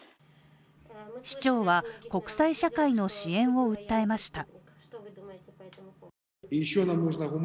市長は国際社会の支援を訴えました。